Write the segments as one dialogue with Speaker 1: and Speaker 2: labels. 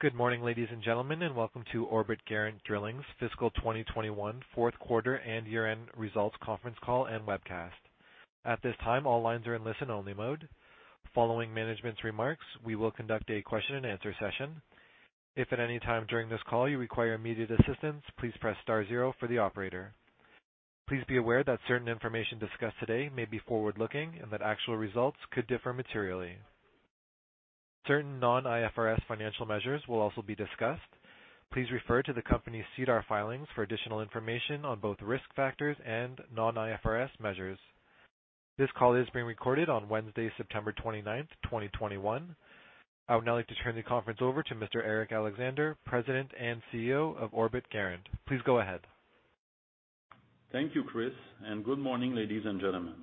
Speaker 1: Good morning, ladies and gentlemen, and welcome to Orbit Garant Drilling's Fiscal 2021 Q4 and Year-end Results Conference Call and Webcast. At this time, all lines are in listen-only mode. Following management's remarks, we will conduct a question and answer session. If at any time during this call you require immediate assistance, please press star zero for the operator. Please be aware that certain information discussed today may be forward-looking and that actual results could differ materially. Certain non-IFRS financial measures will also be discussed. Please refer to the company's SEDAR filings for additional information on both risk factors and non-IFRS measures. This call is being recorded on Wednesday, September 29th, 2021. I would now like to turn the conference over to Mr. Eric Alexandre, President and CEO of Orbit Garant. Please go ahead.
Speaker 2: Thank you, Chris. Good morning, ladies and gentlemen.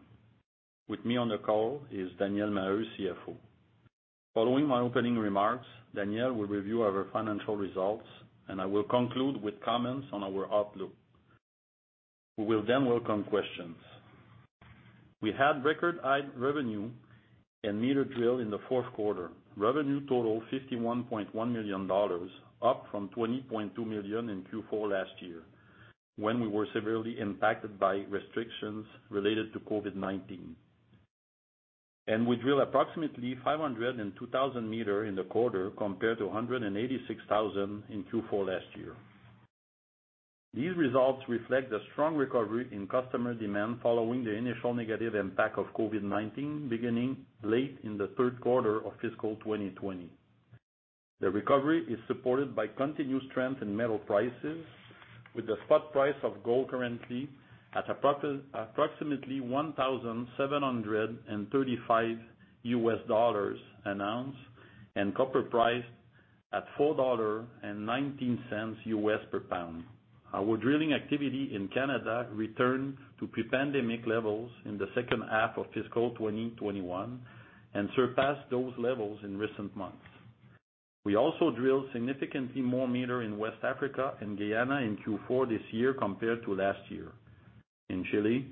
Speaker 2: With me on the call is Daniel Maheu, CFO. Following my opening remarks, Daniel will review our financial results, and I will conclude with comments on our outlook. We will welcome questions. We had record high revenue in meter drill in the Q4. Revenue total, 51.1 million dollars, up from 20.2 million in Q4 last year, when we were severely impacted by restrictions related to COVID-19. We drilled approximately 502,000 m in the quarter, compared to 186,000 m in Q4 last year. These results reflect the strong recovery in customer demand following the initial negative impact of COVID-19, beginning late in the Q3 of fiscal 2020. The recovery is supported by continued strength in metal prices, with the spot price of gold currently at approximately $1,735 an ounce, and copper price at $4.19 per pound. Our drilling activity in Canada returned to pre-pandemic levels in the second half of fiscal 2021 and surpassed those levels in recent months. We also drilled significantly more meters in West Africa and Guyana in Q4 this year compared to last year. In Chile,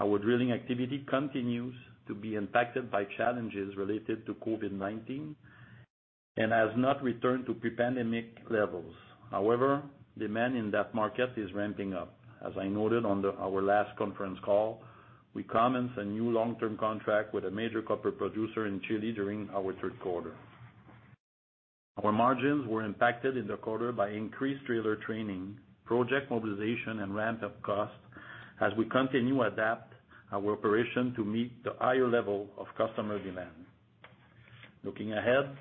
Speaker 2: our drilling activity continues to be impacted by challenges related to COVID-19 and has not returned to pre-pandemic levels. However, demand in that market is ramping up. As I noted on our last conference call, we commenced a new long-term contract with a major copper producer in Chile during our Q3. Our margins were impacted in the quarter by increased driller training, project mobilization, and ramp-up costs as we continue to adapt our operation to meet the higher level of customer demand. Looking ahead,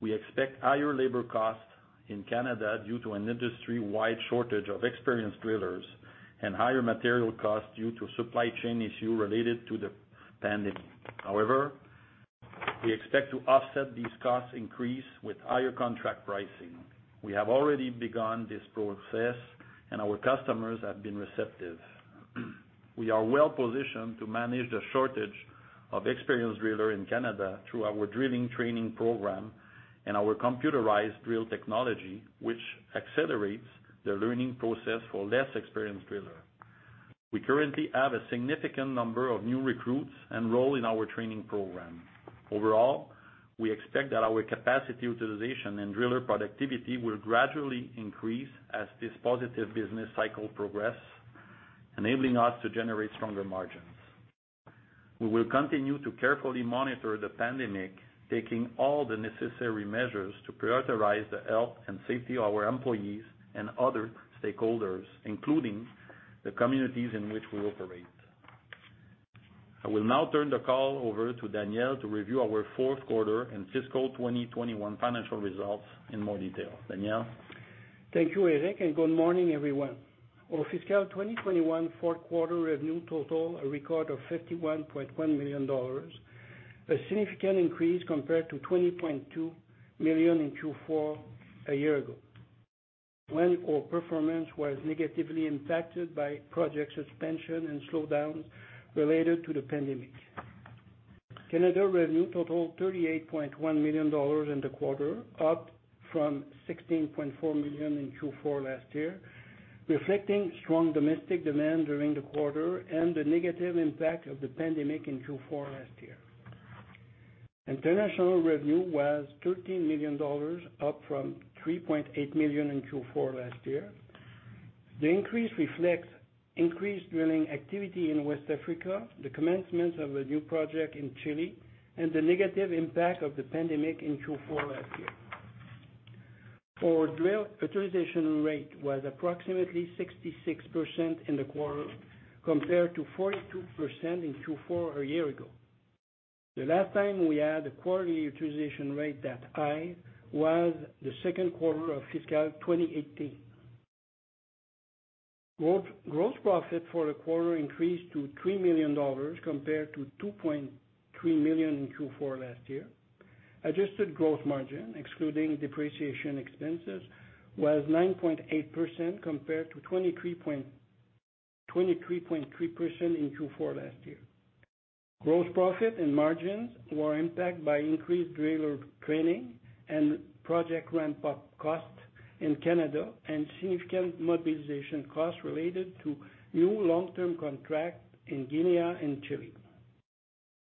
Speaker 2: we expect higher labor costs in Canada due to an industry-wide shortage of experienced drillers and higher material costs due to supply chain issue related to the pandemic. However, we expect to offset these cost increase with higher contract pricing. We have already begun this process. Our customers have been receptive. We are well-positioned to manage the shortage of experienced driller in Canada through our drilling training program and our computerized drill technology, which accelerates the learning process for less experienced driller. We currently have a significant number of new recruits enroll in our training program. Overall, we expect that our capacity utilization and driller productivity will gradually increase as this positive business cycle progress, enabling us to generate stronger margins. We will continue to carefully monitor the pandemic, taking all the necessary measures to prioritize the health and safety of our employees and other stakeholders, including the communities in which we operate. I will now turn the call over to Daniel to review our Q4 and fiscal 2021 financial results in more detail. Daniel?
Speaker 3: Thank you, Eric, and good morning, everyone. Our fiscal 2021 Q4 revenue totaled a record of 51.1 million dollars, a significant increase compared to 20.2 million in Q4 a year ago, when our performance was negatively impacted by project suspension and slowdowns related to the pandemic. Canada revenue totaled 38.1 million dollars in the quarter, up from 16.4 million in Q4 last year, reflecting strong domestic demand during the quarter and the negative impact of the pandemic in Q4 last year. International revenue was 13 million dollars, up from 3.8 million in Q4 last year. The increase reflects increased drilling activity in West Africa, the commencement of a new project in Chile, and the negative impact of the pandemic in Q4 last year. Our drill utilization rate was approximately 66% in the quarter, compared to 42% in Q4 a year ago. The last time we had a drill utilization rate that high was the Q2 of fiscal 2018. Gross profit for the quarter increased to 3 million dollars compared to 2.3 million in Q4 last year. Adjusted gross margin, excluding depreciation expenses, was 9.8% compared to 23.3% in Q4 last year. Gross profit and margins were impacted by increased driller training and project ramp-up costs in Canada and significant mobilization costs related to new long-term contract in Guinea and Chile.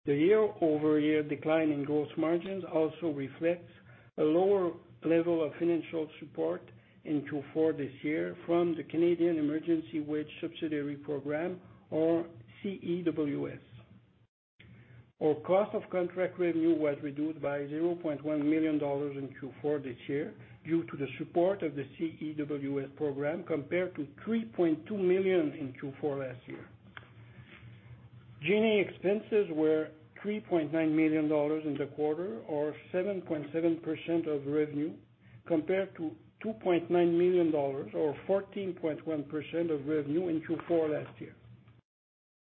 Speaker 3: The year-over-year decline in gross margins also reflects a lower level of financial support in Q4 this year from the Canada Emergency Wage Subsidy Program or CEWS. Our cost of contract revenue was reduced by 0.1 million dollars in Q4 this year due to the support of the CEWS program, compared to 3.2 million in Q4 last year. G&A expenses were 3.9 million dollars in the quarter, or 7.7% of revenue, compared to 2.9 million dollars, or 14.1% of revenue in Q4 last year.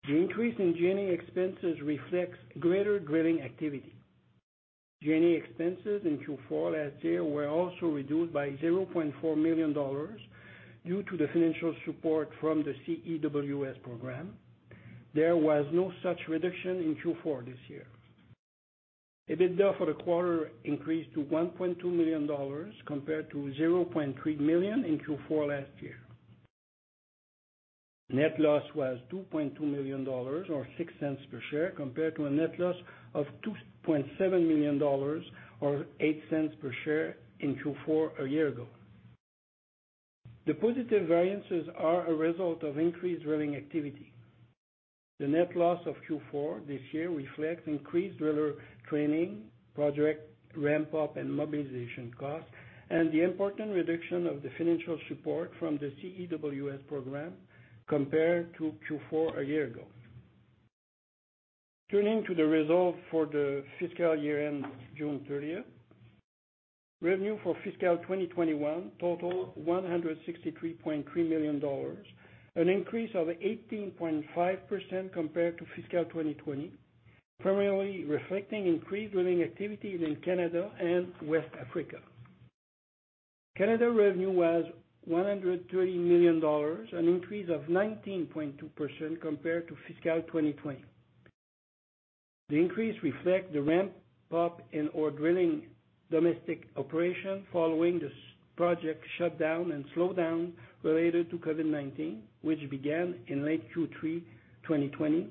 Speaker 3: The increase in G&A expenses reflects greater drilling activity. G&A expenses in Q4 last year were also reduced by 0.4 million dollars due to the financial support from the CEWS program. There was no such reduction in Q4 this year. EBITDA for the quarter increased to 1.2 million dollars compared to 0.3 million in Q4 last year. Net loss was 2.2 million dollars, or 0.06 per share, compared to a net loss of 2.7 million dollars, or 0.08 per share in Q4 a year ago. The positive variances are a result of increased drilling activity. The net loss of Q4 this year reflects increased driller training, project ramp-up and mobilization costs, and the important reduction of the financial support from the CEWS program compared to Q4 a year ago. Turning to the results for the fiscal year ended June 30th. Revenue for fiscal 2021 totaled 163.3 million dollars, an increase of 18.5% compared to fiscal 2020, primarily reflecting increased drilling activities in Canada and West Africa. Canada revenue was 130 million dollars, an increase of 19.2% compared to fiscal 2020. The increase reflects the ramp-up in our drilling domestic operation following the project shutdown and slowdown related to COVID-19, which began in late Q3 2020.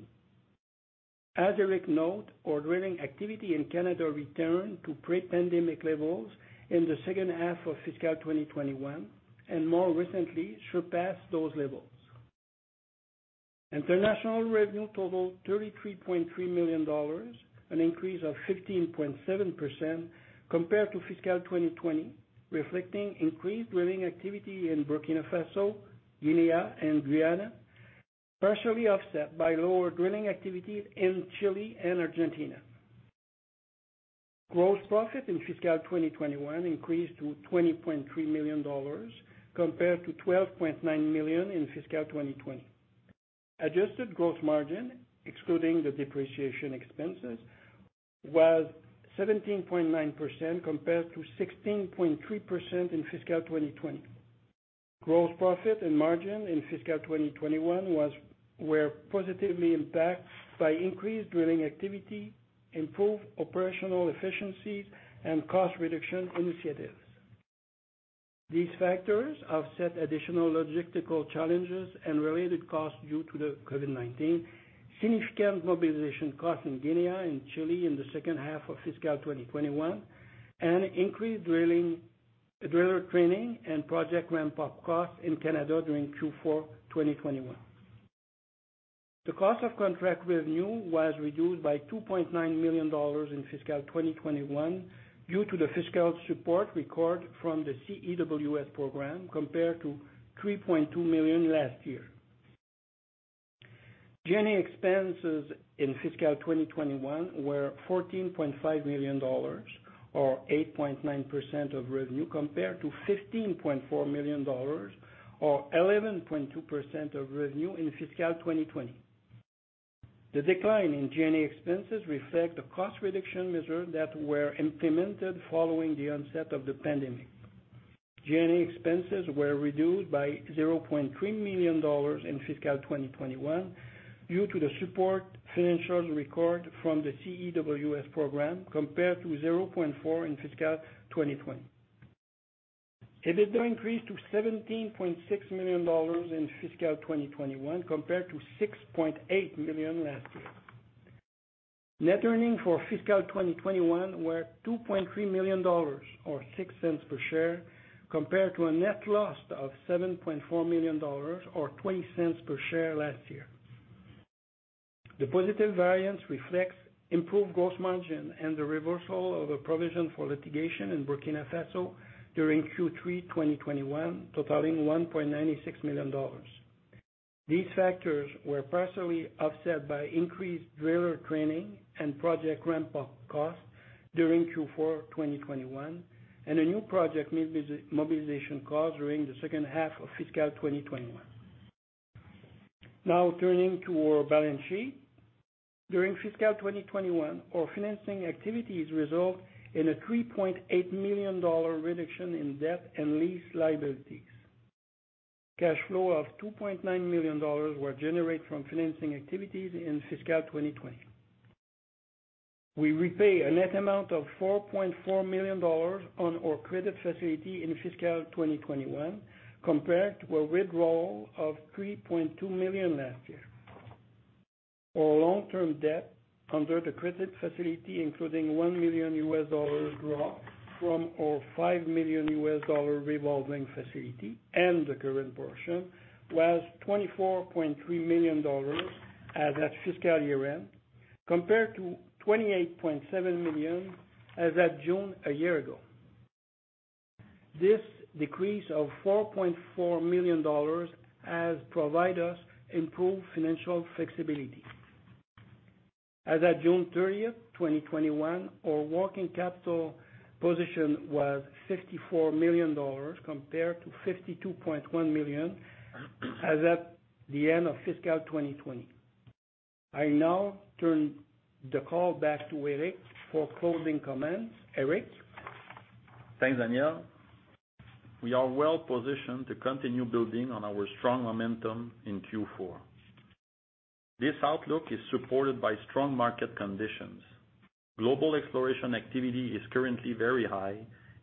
Speaker 3: As Eric noted, our drilling activity in Canada returned to pre-pandemic levels in the second half of fiscal 2021 and more recently surpassed those levels. International revenue totaled 33.3 million dollars, an increase of 15.7% compared to fiscal 2020, reflecting increased drilling activity in Burkina Faso, Guinea, and Guyana, partially offset by lower drilling activities in Chile and Argentina. Gross profit in fiscal 2021 increased to CAD 20.3 million compared to CAD 12.9 million in fiscal 2020. Adjusted gross margin, excluding the depreciation expenses, was 17.9% compared to 16.3% in fiscal 2020. Gross profit and margin in fiscal 2021 were positively impacted by increased drilling activity, improved operational efficiencies, and cost reduction initiatives. These factors offset additional logistical challenges and related costs due to the COVID-19, significant mobilization costs in Guinea and Chile in the second half of fiscal 2021, and increased driller training and project ramp-up costs in Canada during Q4 2021. The cost of contract revenue was reduced by 2.9 million dollars in fiscal 2021 due to the fiscal support record from the CEWS program compared to 3.2 million last year. G&A expenses in fiscal 2021 were 14.5 million dollars, or 8.9% of revenue, compared to 15.4 million dollars or 11.2% of revenue in fiscal 2020. The decline in G&A expenses reflect the cost reduction measures that were implemented following the onset of the pandemic. G&A expenses were reduced by 0.3 million dollars in fiscal 2021 due to the support financials record from the CEWS program, compared to 0.4 million in fiscal 2020. EBITDA increased to 17.6 million dollars in fiscal 2021 compared to 6.8 million last year. Net earnings for fiscal 2021 were 2.3 million dollars, or 0.06 per share, compared to a net loss of 7.4 million dollars or 0.20 per share last year. The positive variance reflects improved gross margin and the reversal of a provision for litigation in Burkina Faso during Q3 2021, totaling 1.96 million dollars. These factors were partially offset by increased driller training and project ramp-up costs during Q4 2021, and a new project mobilization cost during the second half of fiscal 2021. Now turning to our balance sheet. During fiscal 2021, our financing activities result in a 3.8 million dollar reduction in debt and lease liabilities. Cash flow of 2.9 million dollars were generated from financing activities in fiscal 2020. We repay a net amount of 4.4 million dollars on our credit facility in fiscal 2021, compared to a withdrawal of 3.2 million last year. Our long-term debt under the credit facility, including $1 million U.S. draw from our $5 million U.S. revolving facility, and the current portion was 24.3 million dollars as at fiscal year-end, compared to 28.7 million as at June a year ago. This decrease of 4.4 million dollars has provided us improved financial flexibility. As at June 30th, 2021, our working capital position was 54 million dollars, compared to 52.1 million as at the end of fiscal 2020. I now turn the call back to Eric for closing comments. Eric?
Speaker 2: Thanks, Daniel. We are well-positioned to continue building on our strong momentum in Q4. This outlook is supported by strong market conditions. Global exploration activity is currently very high.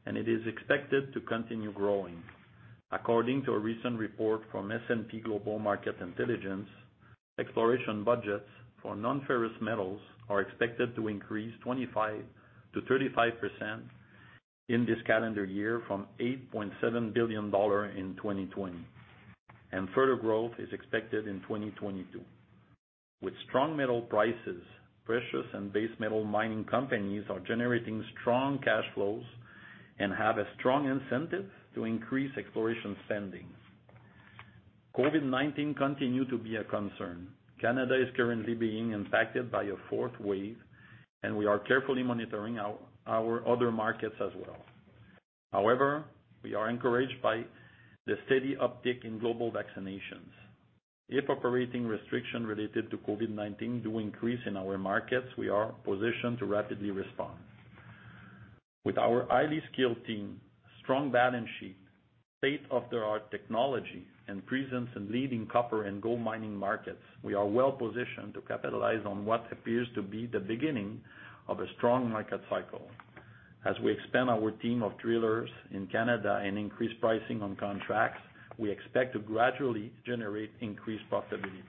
Speaker 2: It is expected to continue growing. According to a recent report from S&P Global Market Intelligence, exploration budgets for non-ferrous metals are expected to increase 25%-35% in this calendar year from 8.7 billion dollars in 2020. Further growth is expected in 2022. With strong metal prices, precious and base metal mining companies are generating strong cash flows and have a strong incentive to increase exploration spending. COVID-19 continue to be a concern. Canada is currently being impacted by a fourth wave. We are carefully monitoring our other markets as well. We are encouraged by the steady uptick in global vaccinations. If operating restriction related to COVID-19 do increase in our markets, we are positioned to rapidly respond. With our highly skilled team, strong balance sheet, state-of-the-art technology, and presence in leading copper and gold mining markets, we are well-positioned to capitalize on what appears to be the beginning of a strong market cycle. As we expand our team of drillers in Canada and increase pricing on contracts, we expect to gradually generate increased profitability.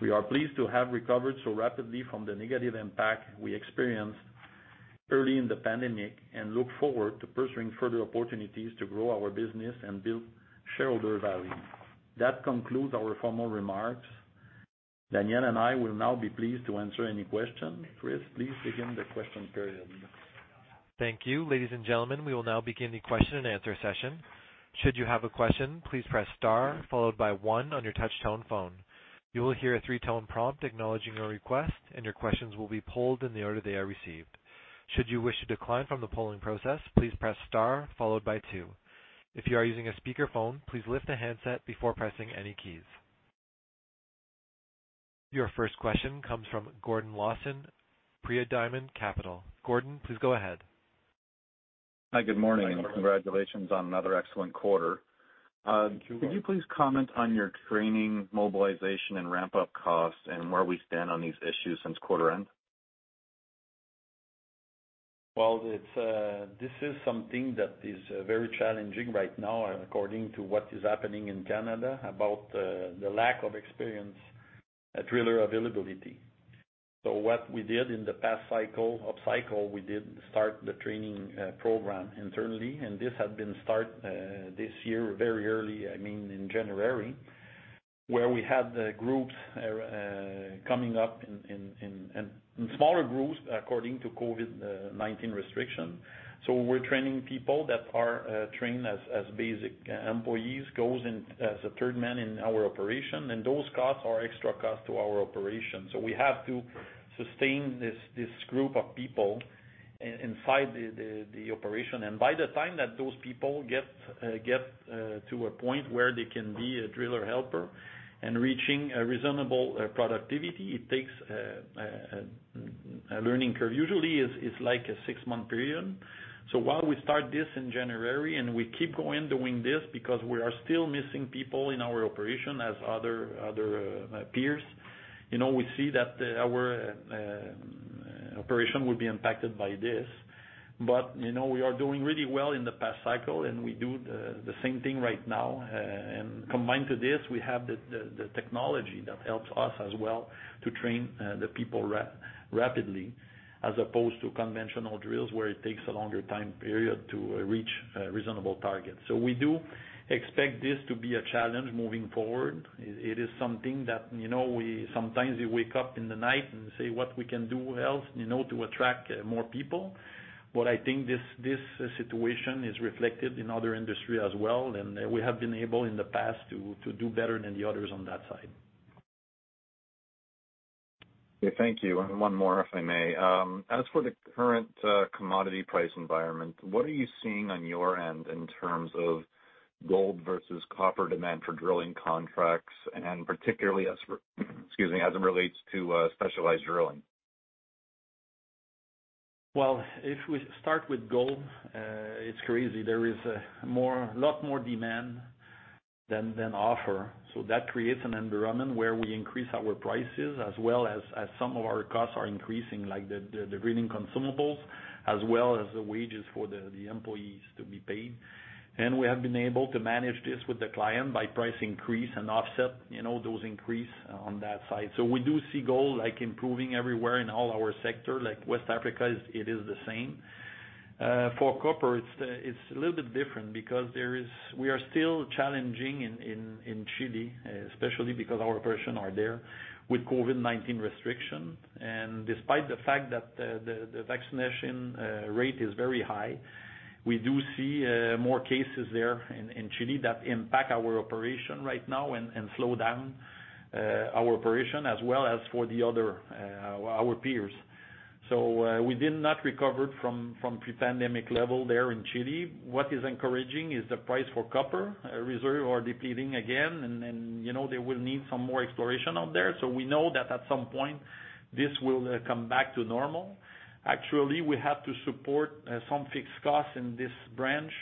Speaker 2: We are pleased to have recovered so rapidly from the negative impact we experienced early in the pandemic and look forward to pursuing further opportunities to grow our business and build shareholder value. That concludes our formal remarks. Daniel and I will now be pleased to answer any question. Chris, please begin the question period.
Speaker 1: Thank you. Ladies and gentlemen, we will now begin the question-and-answer session. Should you have a question, please press star followed by one on your touch tone phone. You will hear a three-tone prompt acknowledging your request, and your questions will be polled in the order they are received. Should you wish to decline from the polling process, please press star followed by two. If you are using a speakerphone, please lift the handset before pressing any keys. Your first question comes from Gordon Lawson, Paradigm Capital. Gordon, please go ahead.
Speaker 4: Hi. Good morning.
Speaker 2: Good morning.
Speaker 4: Congratulations on another excellent quarter.
Speaker 2: Thank you.
Speaker 4: Could you please comment on your training, mobilization, and ramp-up costs and where we stand on these issues since quarter end?
Speaker 2: Well, this is something that is very challenging right now according to what is happening in Canada about the lack of experienced driller availability. What we did in the past up cycle, we did start the training program internally, and this had been start this year very early, I mean, in January, where we had the groups coming up in smaller groups according to COVID-19 restriction. We're training people that are trained as basic employees, goes in as a third man in our operation, and those costs are extra cost to our operation. We have to sustain this group of people inside the operation. By the time that those people get to a point where they can be a driller helper and reaching a reasonable productivity, it takes a learning curve. Usually, it's like a six-month period. While we start this in January and we keep going doing this because we are still missing people in our operation as other peers, we see that our operation will be impacted by this. We are doing really well in the past cycle, and we do the same thing right now, and combined to this, we have the technology that helps us as well to train the people rapidly as opposed to conventional drills where it takes a longer time period to reach reasonable targets. We do expect this to be a challenge moving forward. It is something that sometimes you wake up in the night and say what we can do else to attract more people. I think this situation is reflected in other industry as well, and we have been able in the past to do better than the others on that side.
Speaker 4: Okay. Thank you. One more, if I may. As for the current commodity price environment, what are you seeing on your end in terms of gold versus copper demand for drilling contracts and particularly as, excuse me, as it relates to specialized drilling?
Speaker 2: If we start with gold, it's crazy. There is a lot more demand than offer. That creates an environment where we increase our prices as well as some of our costs are increasing, like the drilling consumables, as well as the wages for the employees to be paid. We have been able to manage this with the client by price increase and offset those increase on that side. We do see gold improving everywhere in all our sector. Like West Africa, it is the same. For copper, it's a little bit different because we are still challenging in Chile, especially because our operation are there with COVID-19 restriction. Despite the fact that the vaccination rate is very high, we do see more cases there in Chile that impact our operation right now and slow down our operation as well as for our peers. We did not recover from pre-pandemic level there in Chile. What is encouraging is the price for copper reserve are depleting again and they will need some more exploration out there. We know that at some point, this will come back to normal. Actually, we have to support some fixed costs in this branch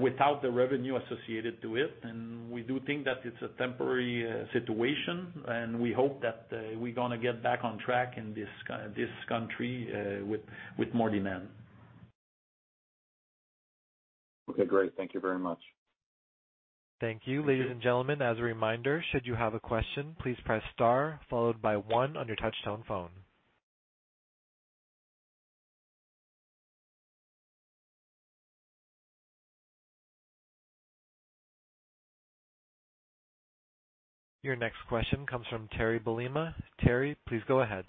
Speaker 2: without the revenue associated to it, and we do think that it's a temporary situation, and we hope that we're going to get back on track in this country with more demand.
Speaker 4: Okay, great. Thank you very much.
Speaker 1: Thank you. Ladies and gentlemen, as a reminder, should you have a question, please press star followed by one on your touch-tone phone. Your next question comes from Terry Bolima. Terry, please go ahead.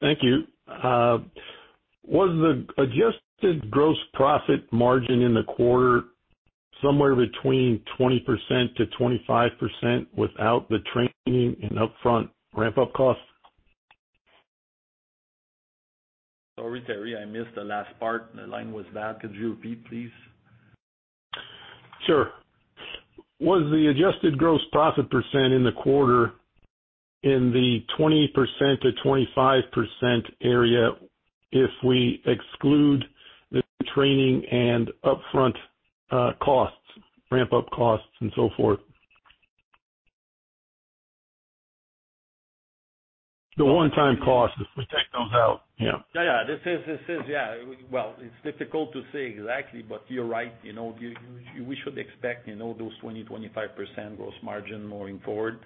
Speaker 5: Thank you. Was the adjusted gross profit margin in the quarter somewhere between 20%-25% without the training and upfront ramp-up costs?
Speaker 2: Sorry, Terry, I missed the last part and the line was bad. Could you repeat, please?
Speaker 5: Sure. Was the adjusted gross profit percent in the quarter in the 20%-25% area if we exclude the training and upfront costs, ramp-up costs and so forth? The one-time cost, if we take those out. Yeah.
Speaker 2: Yeah. Well, it's difficult to say exactly. You're right. We should expect those 20%-25% gross margin moving forward.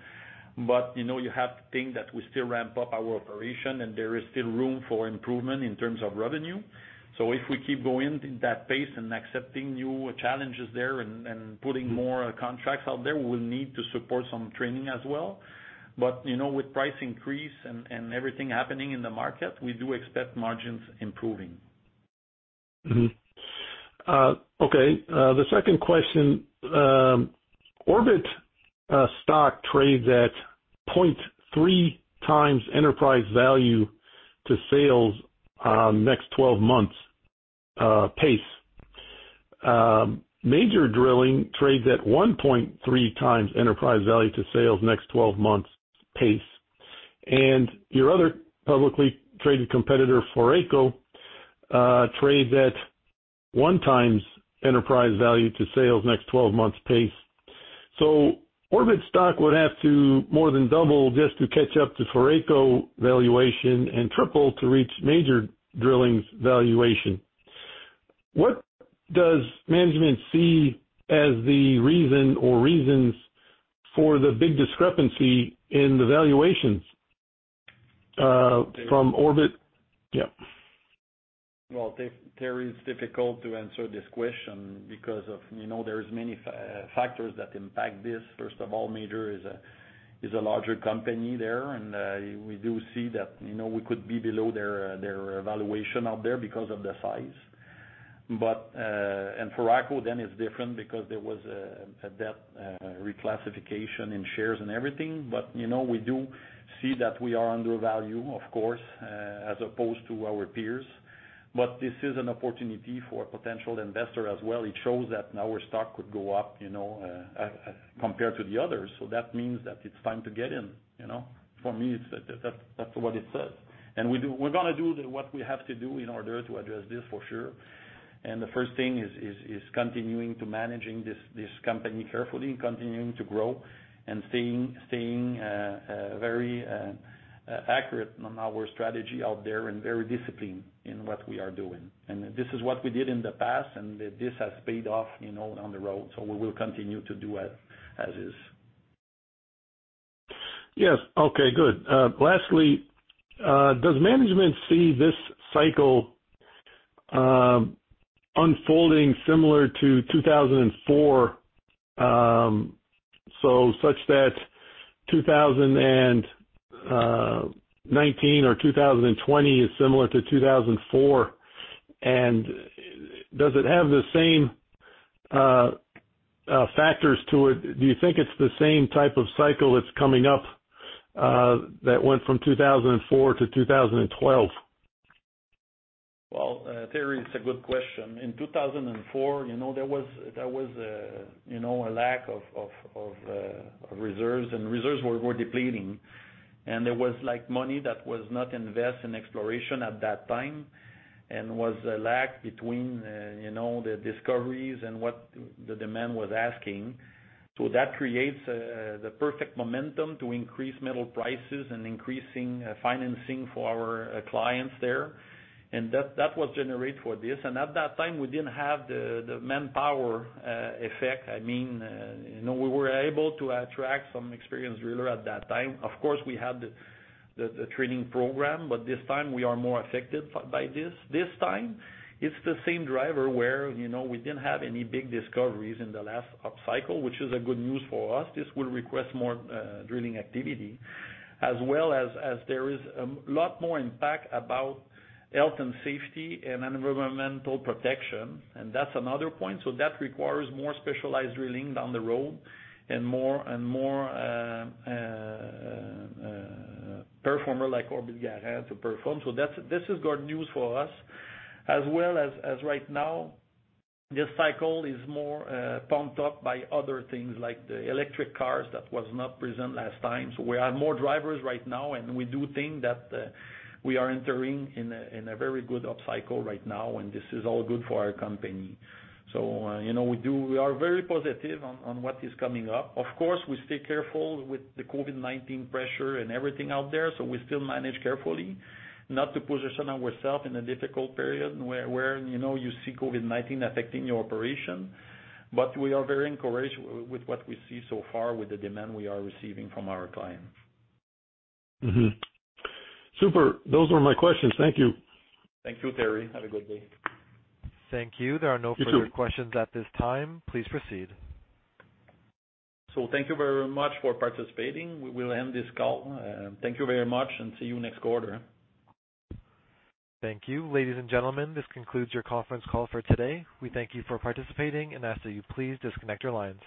Speaker 2: You have to think that we still ramp up our operation and there is still room for improvement in terms of revenue. If we keep going that pace and accepting new challenges there and putting more contracts out there, we'll need to support some training as well. With price increase and everything happening in the market, we do expect margins improving.
Speaker 5: Mm-hmm. Okay. The second question. Orbit stock trades at 0.3x enterprise value to sales next 12 months pace. Major Drilling trades at 1.3x enterprise value to sales next 12 months pace. Your other publicly traded competitor, Foraco, trades at 1x enterprise value to sales next 12 months pace. Orbit stock would have to more than double just to catch up to Foraco valuation and triple to reach Major Drilling's valuation. What does management see as the reason or reasons for the big discrepancy in the valuations from Orbit? Yeah.
Speaker 2: Well, Terry, it's difficult to answer this question because there's many factors that impact this. First of all, Major is a larger company there, and we do see that we could be below their valuation out there because of the size. Foraco, then it's different because there was a debt reclassification in shares and everything. We do see that we are undervalued, of course, as opposed to our peers. This is an opportunity for a potential investor as well. It shows that our stock could go up compared to the others. That means that it's time to get in. For me, that's what it says. We're going to do what we have to do in order to address this, for sure. The first thing is continuing to managing this company carefully and continuing to grow and staying very accurate on our strategy out there and very disciplined in what we are doing. This is what we did in the past, and this has paid off on the road. We will continue to do as is.
Speaker 5: Yes. Okay, good. Lastly, does management see this cycle unfolding similar to 2004? Such that 2019 or 2020 is similar to 2004? Does it have the same factors to it? Do you think it's the same type of cycle that's coming up that went from 2004 to 2012?
Speaker 2: Well, Terry, it's a good question. In 2004, there was a lack of reserves, and reserves were depleting. There was money that was not invested in exploration at that time, and was a lack between the discoveries and what the demand was asking. That creates the perfect momentum to increase metal prices and increasing financing for our clients there. That was generated for this. At that time, we didn't have the manpower effect. We were able to attract some experienced driller at that time. Of course, we had the training program, but this time we are more affected by this. This time it's the same driver where we didn't have any big discoveries in the last upcycle, which is a good news for us. This will request more drilling activity, as well as there is a lot more impact about health and safety and environmental protection, and that's another point. That requires more specialized drilling down the road and more performer like Orbit Garant to perform. This is good news for us, as well as right now, this cycle is more pumped up by other things like the electric cars that was not present last time. We have more drivers right now, and we do think that we are entering in a very good upcycle right now, and this is all good for our company. We are very positive on what is coming up. Of course, we stay careful with the COVID-19 pressure and everything out there, so we still manage carefully not to position ourselves in a difficult period where you see COVID-19 affecting your operation. We are very encouraged with what we see so far with the demand we are receiving from our clients.
Speaker 5: Mm-hmm. Super. Those were my questions. Thank you.
Speaker 2: Thank you, Terry. Have a good day.
Speaker 1: Thank you. There are no further questions at this time. Please proceed.
Speaker 2: Thank you very much for participating. We will end this call. Thank you very much and see you next quarter.
Speaker 1: Thank you. Ladies and gentlemen, this concludes your conference call for today. We thank you for participating and ask that you please disconnect your lines.